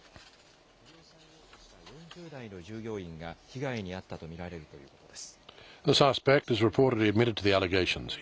あと、取り押さえようとした４０代の従業員が被害に遭ったと見られるということです。